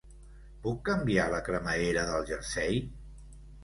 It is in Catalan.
Puc canviar la cremallera del jersei?